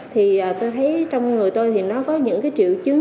thì tôi thấy trong người tôi thì nó có những cái triệu chứng